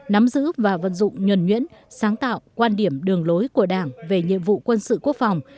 nắm giữ và vận dụng nhuẩn nhuyễn sáng tạo quan điểm đường lối của đảng về nhiệm vụ quân sự quốc phòng